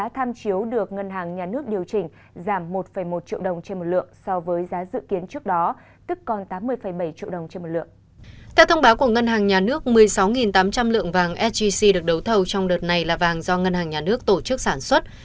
theo thông báo của ngân hàng nhà nước một mươi sáu tám trăm linh lượng vàng sgc được đấu thầu trong đợt này là vàng do ngân hàng nhà nước tổ chức sản xuất